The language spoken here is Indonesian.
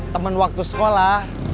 temen waktu sekolah